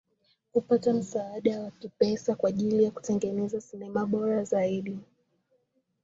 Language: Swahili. Hupata msaada wa kipesa kwa ajili ya kutengeneza sinema bora zaidi